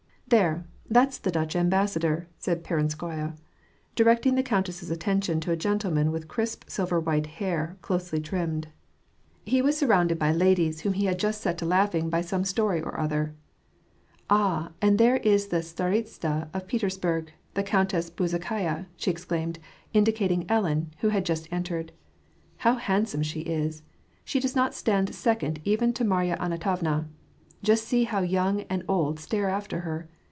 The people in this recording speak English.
" There ! that's the Dutch ambassador," said Peronskaya, directing the countess's attention to a gentleman with crisp silver white hair, closely trimmed. He was surrounded by WAR AND PEACE. 203 ladies, whom he had just set to laughing by some story or other. ^* Ah ! and there is the ts&ritsa of Petersburg, the Countess Bezukhaya," she exclaimed, indicating fiUen^ who had just en tered. *^ How handsome she is ! she does not stand second even to Marya Antonovna. Just see how young and old stare after her.